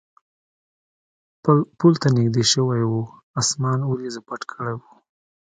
پل ته نږدې شوي و، اسمان وریځو پټ کړی و.